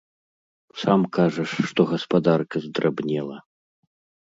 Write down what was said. Сам кажаш, што гаспадарка здрабнела.